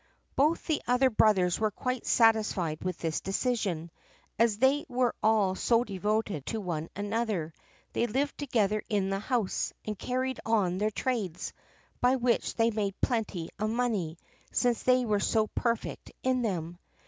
Both the other brothers were quite satisfied with this decision, and as they were all so devoted to one another, they lived together in the house, and carried on their trades, by which they made plenty of money, since they were so perfect in them.